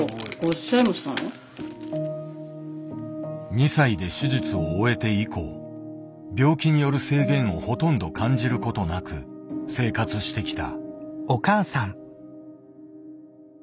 ２歳で手術を終えて以降病気による制限をほとんど感じることなく生活してきた。